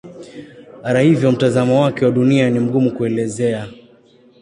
Hata hivyo mtazamo wake wa Dunia ni mgumu kuelezea.